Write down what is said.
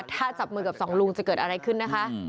ถ้าจับมือกับสองลุงจะเกิดอะไรขึ้นนะคะ